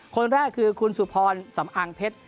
คนแรกคือคุณสุพรสำอางเพชร